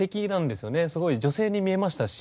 すごい女性に見えましたし。